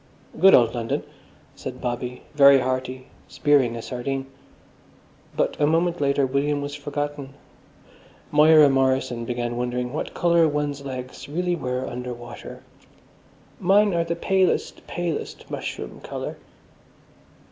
"Good old London," said Bobby, very hearty, spearing a sardine. But a moment later William was forgotten. Moira Morrison began wondering what colour one's legs really were under water. "Mine are the palest, palest mushroom colour."